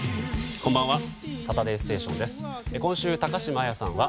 こんばんは。